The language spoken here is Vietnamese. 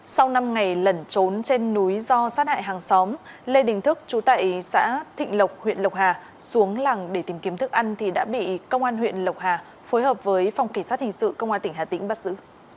sau năm ngày lẩn trốn trên núi do sát hại hàng xóm lê đình thức chú tại xã thịnh lộc huyện lộc hà xuống làng để tìm kiếm thức ăn thì đã bị công an huyện lộc hà phối hợp với phòng kỳ sát hình sự công an tỉnh hà tĩnh bắt giữ